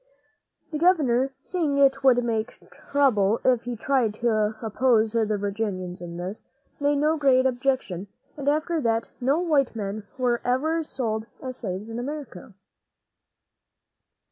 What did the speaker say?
The governor, seeing it would make trouble if he tried to oppose the Virginians in this, made no great objection, and after that no white men were ever sold as slaves in America.